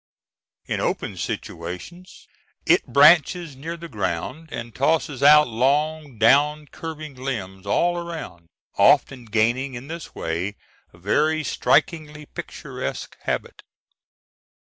In open situations it branches near the ground and tosses out long down curving limbs all around, often gaining in this way a very strikingly picturesque habit.